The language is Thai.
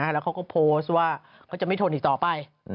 แล้วเขาก็โพสต์ว่าเขาจะไม่ทนอีกต่อไป